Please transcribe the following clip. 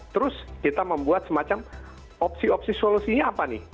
terus kita membuat semacam opsi opsi solusinya apa nih